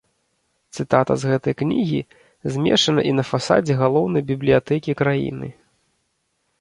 Цытата з гэтай кнігі змешчана і на фасадзе галоўнай бібліятэкі краіны.